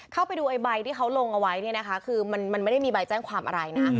เข้าไปดูไอ้ใบที่เขาลงเอาไว้เนี่ยนะคะคือมันไม่ได้มีใบแจ้งความอะไรนะ